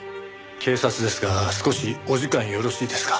警察ですが少しお時間よろしいですか？